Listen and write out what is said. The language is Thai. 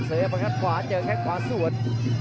เสร็จให้มันขันขวาเจอแค่ขวาส่วน